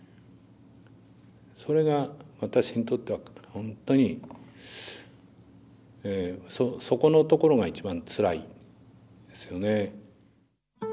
それが私にとっては本当にそこのところが一番つらいですよね。